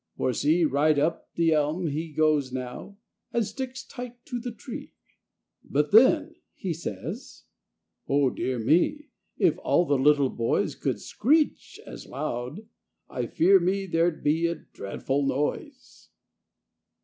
For, see, Right up the elm he goes now And sticks tight to the tree!" "But then," he says, "O dear me! If all the little boys Could screech as loud, I fear me There'd be a dreadful noise!"